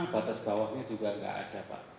batas bawahnya juga nggak ada pak